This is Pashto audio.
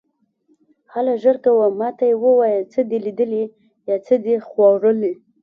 هله ژر کوه، ما ته یې ووایه، څه دې لیدلي یا څه دې خوړلي.